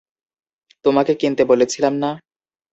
তোমাকে কিনতে বলেছিলাম না?